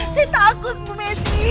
saya takut bu messi